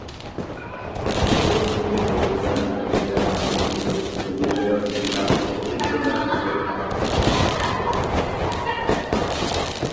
বিশেষ বস্তুগুলি পবিত্রতার প্রক্রিয়ার মাধ্যমে পবিত্র প্রতীক হয়ে ওঠে যা অপবিত্র থেকে আলাদা করে কার্যকরভাবে পবিত্র সৃষ্টি করে।